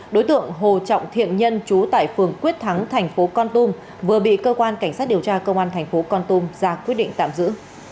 đối tượng hồ trọng thiện nhân trú tại phường quyết thắng tp con tum vừa bị cơ quan cảnh sát điều tra công an tp con tum ra quyết định tạm giữ